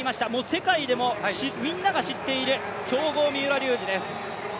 世界でもみんなが知っている強豪・三浦龍司です。